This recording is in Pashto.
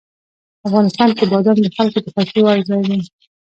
افغانستان کې بادام د خلکو د خوښې وړ ځای دی.